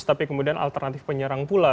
tapi kemudian alternatif penyerang pula